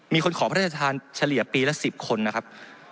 มีคนขอพระราชทานเฉลี่ยปีละ๑๐คนนะครับ